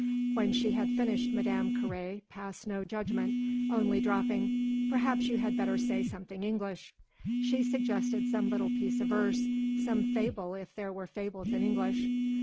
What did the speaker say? When she had finished Madame Carré passed no judgement, only dropping: "Perhaps you had better say something English." She suggested some little piece of verse some fable if there were fables in English.